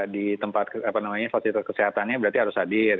di tempat apa namanya fasilitas kesehatannya berarti harus hadir